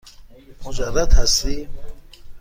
مجرد هستی؟